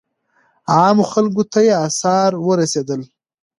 عامو خلکو ته یې آثار ورسېدل.